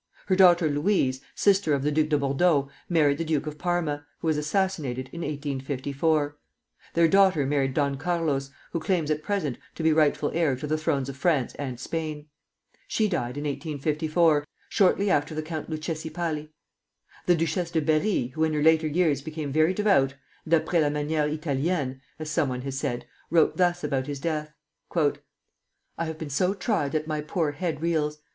Her daughter Louise, sister of the Duc de Bordeaux, married the Duke of Parma, who was assassinated in 1854. Their daughter married Don Carlos, who claims at present to be rightful heir to the thrones of France and Spain. She died in 1864, shortly after the Count Luchesi Palli. The Duchesse de Berri, who in her later years became very devout, d'après la manière Italienne, as somebody has said, wrote thus about his death: "I have been so tried that my poor head reels.